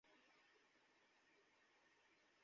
নীরব হয়ে যায় বাদ্যযন্ত্র।